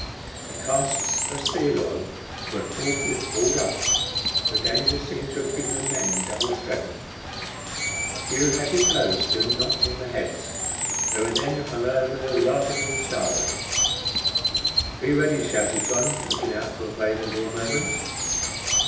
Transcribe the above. The casks of seal oil were forthwith hauled up, for danger seemed to have given the men double strength. A few hatchet blows soon knocked in the heads, and they were then hung over the larboard and starboard. "Be ready!" shouted John, looking out for a favorable moment.